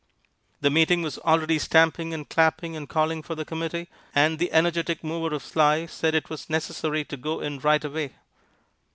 The meeting was already stamping and clapping and calling for the committee, and the energetic mover of Sly said that it was necessary to go in right away.